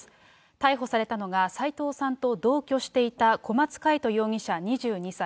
逮捕されたのが、斎藤さんと同居していた小松魁人容疑者２２歳。